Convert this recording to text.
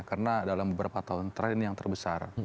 karena dalam beberapa tahun terakhir ini yang terbesar